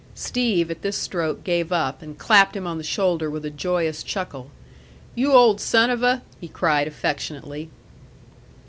Steve, at this stroke, gave up, and clapped him on the shoulder with a joyous chuckle. "You old son of a!" he cried affectionately.